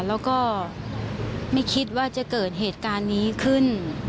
แล้วก็ไม่คิดว่าจะเกิดเหตุการณ์นี้ขึ้น